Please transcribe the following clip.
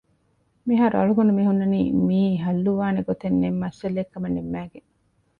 މިހާރު އަޅުގަނޑު މިހުންނަނީ މިޢީ ޙައްލުވާނެ ގޮތެއްނެތް މައްސަލައެއްކަމަށް ނިންމައިގެން